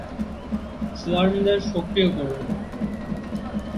সোয়ার্মদের সক্রিয় করো!